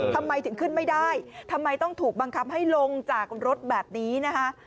ทำไมถึงขึ้นไม่ได้ทำไมต้องถูกบังคับให้ลงจากรถแบบนี้นะคะ